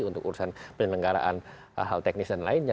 untuk urusan penyelenggaraan hal teknis dan lainnya